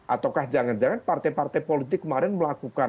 ataukah jangan jangan partai partai politik kemarin melakukan